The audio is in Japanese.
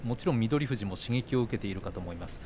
翠富士も刺激を受けていることと思います。